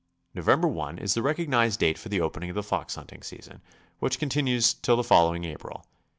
Nov. i is the rec ognized date for the opening of the fox hunting season, which continues till the following April.